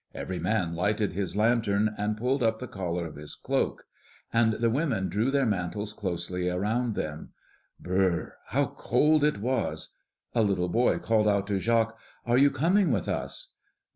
Every man lighted his lantern, and pulled up the collar of his cloak; and the women drew their mantles closely around them. Brrr! how cold it was! A little boy called out to Jacques, "Are you coming with us?"